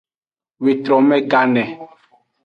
Wetrome gane.